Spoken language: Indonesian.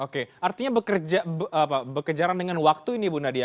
oke artinya bekerja apa bekerja dengan waktu ini bu nadia